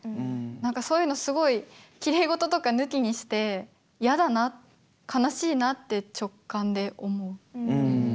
何かそういうのすごいきれい事とか抜きにしてやだな悲しいなって直感で思う。